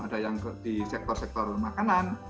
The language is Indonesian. ada yang di sektor sektor makanan